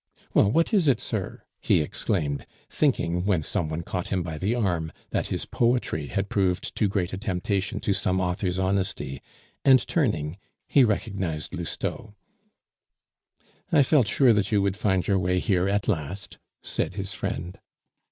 "Well, what is it, sir!" he exclaimed, thinking, when some one caught him by the arm, that his poetry had proved too great a temptation to some author's honesty, and turning, he recognized Lousteau. "I felt sure that you would find your way here at last," said his friend.